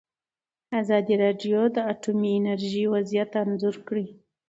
ازادي راډیو د اټومي انرژي وضعیت انځور کړی.